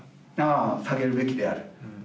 あ下げるべきである。